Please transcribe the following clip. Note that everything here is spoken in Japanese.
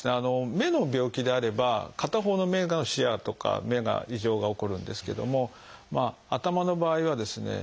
目の病気であれば片方の目の視野とか目が異常が起こるんですけども頭の場合はですね